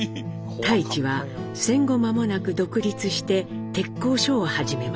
太市は戦後まもなく独立して鉄工所を始めます。